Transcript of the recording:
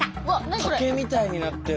竹みたいになってる。